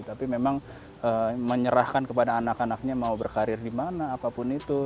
tapi memang menyerahkan kepada anak anaknya mau berkarir di mana apapun itu